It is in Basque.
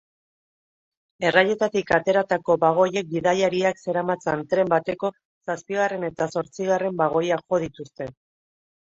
Errailetik ateratako bagoiek bidaiariak zeramatzan tren bateko zazpigarren eta zortzigarren bagoiak jo dituzte.